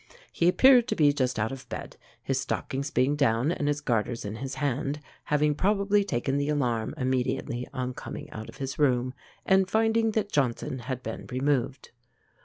He appeared to be just out of bed, his stockings being down and his garters in his hand, having probably taken the alarm immediately on coming out of his room, and finding that Johnson had been removed.